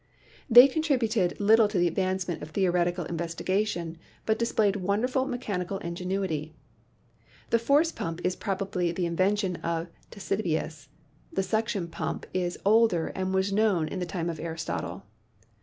They contributed little to the advancement of theoretical investi gation, but displayed wonderful mechanical ingenuity. The force pump is probably the invention of Ctesibius. The suction pump is older and was known in the time of Aristotle.